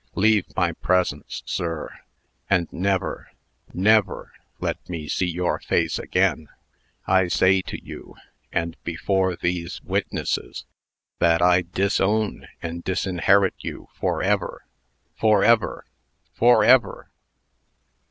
Leave my presence, sir, and never never let me see your face again. I say to you, and before these witnesses, that I disown and disinherit you forever forever forever!"